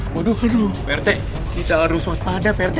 waduh waduh prt kita harus pada prt